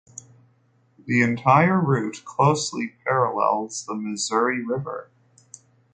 The entire route closely parallels the Missouri River.